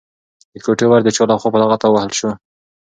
د کوټې ور د چا لخوا په لغته ووهل شو؟